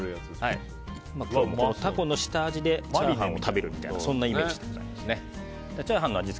タコの下味でチャーハンを食べるそんなイメージですね。